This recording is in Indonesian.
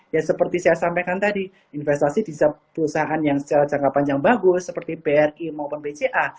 ya seperti saya sampaikan tadi investasi bisa perusahaan yang secara jangka panjang bagus seperti bri maupun bca